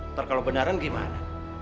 ntar kalau beneran gimana